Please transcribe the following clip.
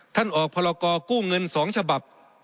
ท่านออกพรกรกู้เงิน๒ฉบับ